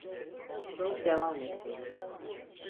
Şov devam etmeli…